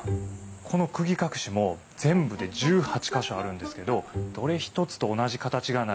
この釘隠しも全部で１８か所あるんですけどどれ一つと同じ形がない一点物なんですよ。